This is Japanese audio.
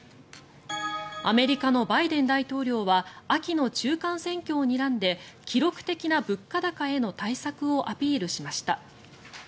アメリカのバイデン大統領は秋の中間選挙をにらんで記録的な物価高への対策をアピールしました。